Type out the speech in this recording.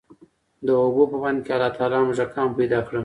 د اوبو په بند کي الله تعالی موږکان پيدا کړل،